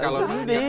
kalau niatnya baik